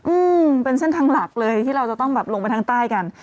อืมเป็นเส้นทางหลักเลยที่เราจะต้องแบบลงไปทางใต้กัน